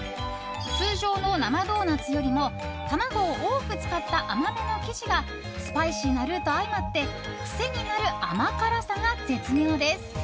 通常の生ドーナツよりも卵を多く使った甘めの生地がスパイシーなルーと相まって癖になる甘辛さが絶妙です。